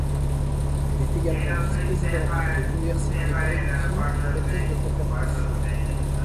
Elle est également vice-présidente de l'université Paris-Dauphine et maîtresse de conférences.